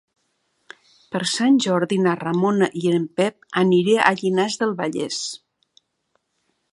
Per Sant Jordi na Ramona i en Pep aniré a Llinars del Vallès.